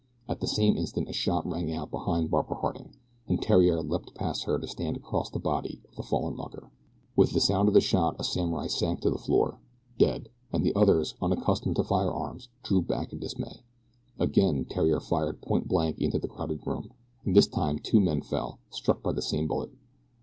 At the same instant a shot rang out behind Barbara Harding, and Theriere leaped past her to stand across the body of the fallen mucker. With the sound of the shot a samurai sank to the floor, dead, and the others, unaccustomed to firearms, drew back in dismay. Again Theriere fired point blank into the crowded room, and this time two men fell, struck by the same bullet.